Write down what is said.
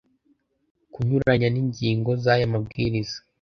Kunyuranya n ingingo z aya mabwiriza